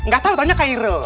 gatau taunya kairu